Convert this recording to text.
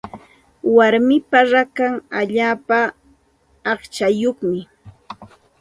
Warmipa rakan allaapa aqchayuqmi.